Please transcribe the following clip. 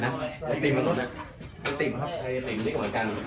ติ่มตรงนี้ติ่มครับไอ้หลิงนี้ก็เหมือนกัน